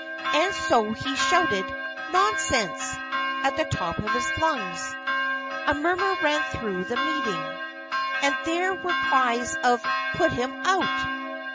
And so he shouted, "Nonsense!" at the top of his lungs. A murmur ran through the meeting. And there were cries of "Put him out!"